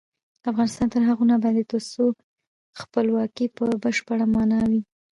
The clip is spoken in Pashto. افغانستان تر هغو نه ابادیږي، ترڅو خپلواکي په بشپړه مانا وي.